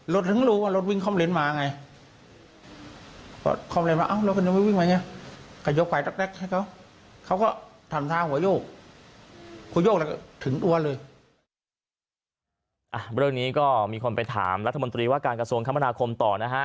เรื่องนี้ก็มีคนไปถามรัฐมนตรีว่าการกระทรวงคมนาคมต่อนะฮะ